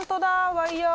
ワイヤー。